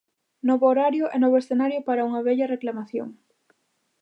Novo horario e novo escenario para unha vella reclamación.